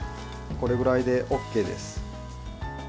これぐらいでＯＫです。